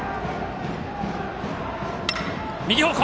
右方向！